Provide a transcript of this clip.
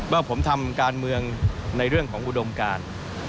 ว่าผมทำการเมืองในเรื่องของอุดมการ